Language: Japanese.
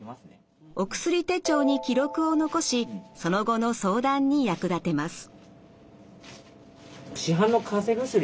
お薬手帳に記録を残しその後の相談に役立てます。